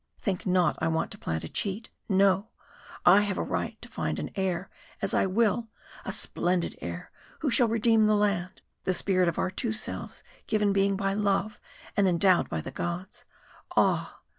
Think not I want to plant a cheat. No! I have a right to find an heir as I will, a splendid heir who shall redeem the land the spirit of our two selves given being by love, and endowed by the gods. Ah!